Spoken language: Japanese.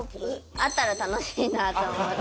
あったら楽しいなと思って。